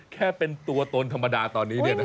แค่เป็นตัวตนธรรมดาตอนนี้